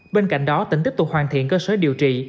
bên cạnh đó tỉnh tiếp tục hoàn thiện cơ sở điều trị